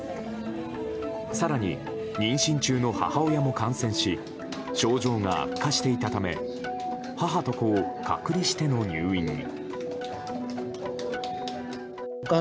更に、妊娠中の母親も感染し症状が悪化していたため母と子を隔離しての入院に。